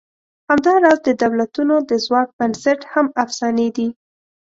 همدا راز د دولتونو د ځواک بنسټ هم افسانې دي.